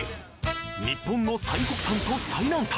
日本の最北端と最南端